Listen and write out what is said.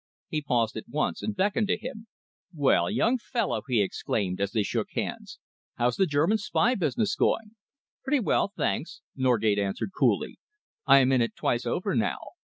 He paused at once and beckoned to him. "Well, young fellow," he exclaimed, as they shook hands, "how's the German spy business going?" "Pretty well, thanks," Norgate answered coolly. "I am in it twice over now.